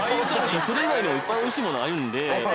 それ以外のいっぱいおいしいものあるんで。